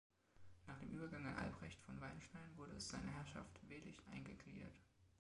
Nach dem Übergang an Albrecht von Wallenstein wurde es seiner Herrschaft Welisch eingegliedert.